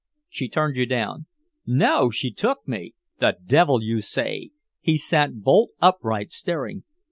"She turned you down!" "No! She took me!" "The devil you say!" He sat bolt upright, staring.